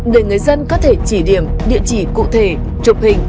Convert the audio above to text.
để người dân có thể chỉ điểm địa chỉ cụ thể chụp hình